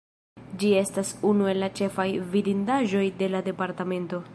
Ĝi estas unu el la ĉefaj vidindaĵoj de la departemento.